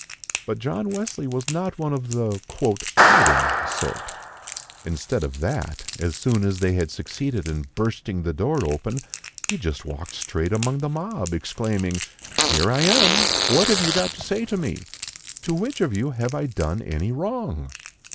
But John Wesley was not one of the "hiding" sort. Instead of that, as soon as they had succeeded in bursting the door open, he just walked straight among the mob, exclaiming: "Here I am! What have you got to say to me? To which of you have I done any wrong?"